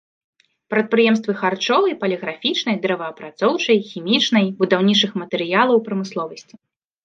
Прадпрыемствы харчовай, паліграфічнай, дрэваапрацоўчай, хімічнай, будаўнічых матэрыялаў прамысловасці.